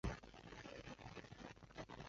食蟹獴包括以下亚种